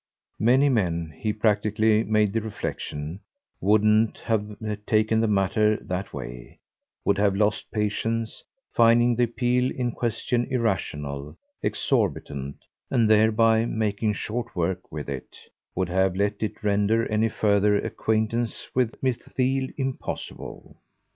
Many men he practically made the reflexion wouldn't have taken the matter that way, would have lost patience, finding the appeal in question irrational, exorbitant; and, thereby making short work with it, would have let it render any further acquaintance with Miss Theale impossible.